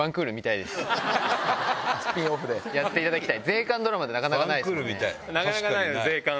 やっていただきたい。